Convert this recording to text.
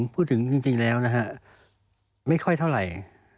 จริงแล้วนะฮะไม่ค่อยเท่าไหร่